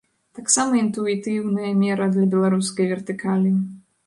Таксама інтуітыўная мера для беларускай вертыкалі.